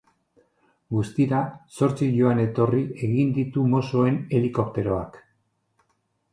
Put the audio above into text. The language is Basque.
Guztira, zortzi joan-etorri egin ditu mossoen helikopteroak.